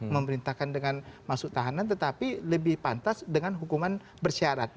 memerintahkan dengan masuk tahanan tetapi lebih pantas dengan hukuman bersyarat